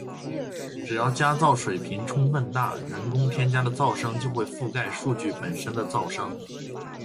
只要加噪水平充分大，人工添加的噪声就会覆盖数据本身的噪声